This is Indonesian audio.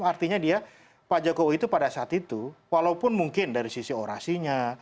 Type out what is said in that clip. artinya dia pak jokowi itu pada saat itu walaupun mungkin dari sisi orasinya